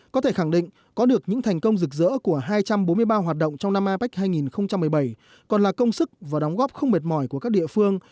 có thể khẳng định có được những thành công rực rỡ của hai trăm bốn mươi ba hoạt động trong năm apec hai nghìn một mươi bảy còn là công sức và đóng góp không mệt mỏi của các địa phương